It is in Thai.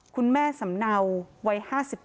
คุณแม่สำเนาวัย๕๗